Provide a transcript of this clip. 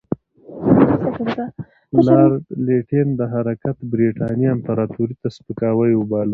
لارډ لیټن دا حرکت برټانیې امپراطوري ته سپکاوی وباله.